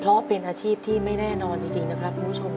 เพราะเป็นอาชีพที่ไม่แน่นอนจริงนะครับคุณผู้ชม